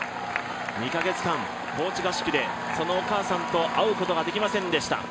２カ月間、高地合宿でそのお母さんと会うことができませんでした。